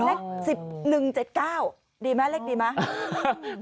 เลข๑๑๗๙ดีไหมเลขดีไหม